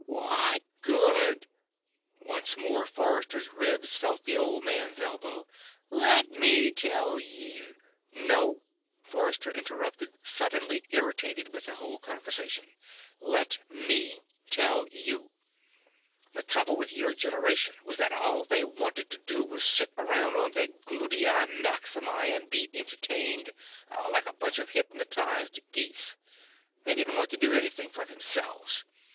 "What good?" Once more Forrester's rib felt the old man's elbow. "Let me tell you " "No," Forrester interrupted, suddenly irritated with the whole conversation. "Let me tell you. The trouble with your generation was that all they wanted to do was sit around on their glutei maximi and be entertained. Like a bunch of hypnotized geese. They didn't want to do anything for themselves.